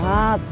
aku mau pergi